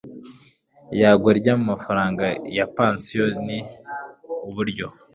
iyangwa ry amafaranga ya pansiyo ni uburyo